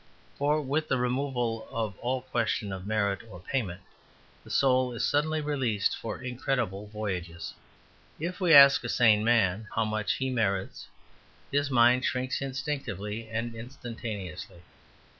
For with the removal of all question of merit or payment, the soul is suddenly released for incredible voyages. If we ask a sane man how much he merits, his mind shrinks instinctively and instantaneously.